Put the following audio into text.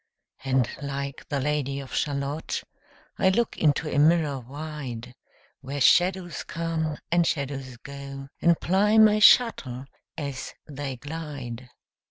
And like the Lady of Shalott I look into a mirror wide, Where shadows come, and shadows go, And ply my shuttle as they glide.